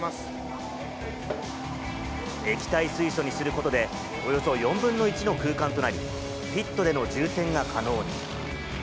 液体水素にすることで、およそ４分の１の空間となり、ピットでの充填が可能に。